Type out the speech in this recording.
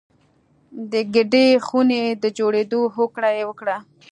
د ګډې خونې د جوړېدو هوکړه یې وکړه